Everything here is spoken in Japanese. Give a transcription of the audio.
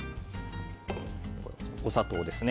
お砂糖ですね。